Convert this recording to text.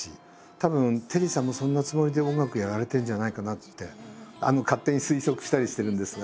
たぶんテリーさんもそんなつもりで音楽やられてるんじゃないかなって勝手に推測したりしてるんですが。